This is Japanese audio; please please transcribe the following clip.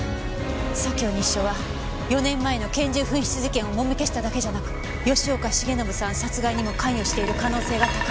左京西署は４年前の拳銃紛失事件をもみ消しただけじゃなく吉岡繁信さん殺害にも関与している可能性が高いわ。